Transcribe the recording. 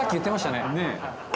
「ねえ」